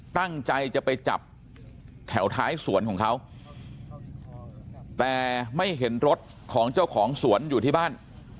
ตั้งใจจะไปจับแถวท้ายสวนของเขาแต่ไม่เห็นรถของเจ้าของสวนอยู่ที่บ้าน